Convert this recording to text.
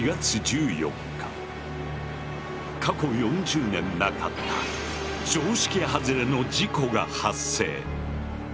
過去４０年なかった常識はずれの事故が発生。